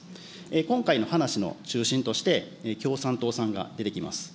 今回の話の中心として、共産党さんが出てきます。